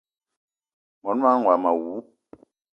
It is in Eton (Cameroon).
Mon manga womo awou!